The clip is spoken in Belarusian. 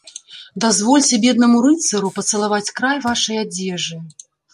Дазвольце беднаму рыцару пацалаваць край вашай адзежы.